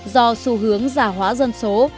do xu hướng giả hóa dân số